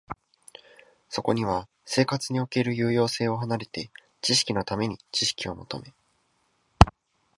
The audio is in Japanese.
そこには生活における有用性を離れて、知識のために知識を求め、